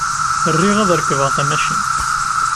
Riɣ ad rekbeɣ tamacint.